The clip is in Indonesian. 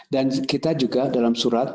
dan kita juga dalam surat